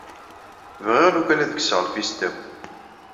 Bɣiɣ lukan ad kkseɣ lfista-w.